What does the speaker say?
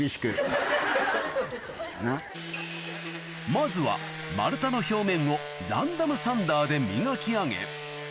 まずは丸太の表面をランダムサンダーで磨き上げ